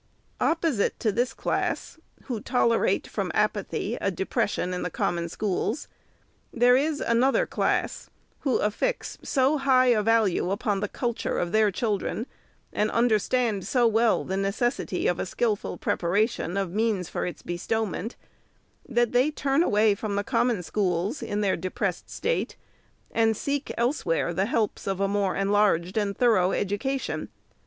Opposite to this class, who tolerate, from apathy, a de pression in the Common Schools, there is another class, who affix so high a value upon the culture of their chil dren, and understand so well the necessity of a skilful preparation of means for its bestowment, that they turn away from the Common Schools, in their depressed state, and seek, elsewhere, the helps of a more enlarged and thorough education.